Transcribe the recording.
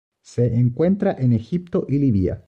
Se encuentra en Egipto y Libia.